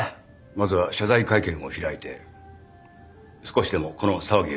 まずは謝罪会見を開いて少しでもこの騒ぎを。